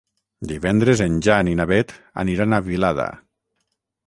Divendres en Jan i na Beth aniran a Vilada.